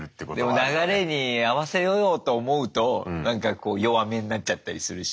でも流れに合わせようと思うとなんかこう弱めになっちゃったりするし。